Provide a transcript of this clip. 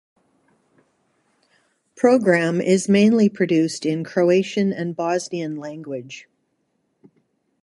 Program is mainly produced in Croatian and Bosnian language.